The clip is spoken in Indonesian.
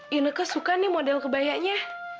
ineke suka nih model kebayaknya